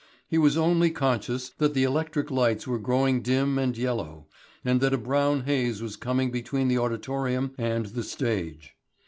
He was only conscious that the electric lights were growing dim and yellow, and that a brown haze was coming between the auditorium and the stage.